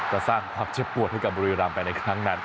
สร้างความเจ็บปวดให้กับบุรีรำไปในครั้งนั้น